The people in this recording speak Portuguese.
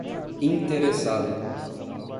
interessado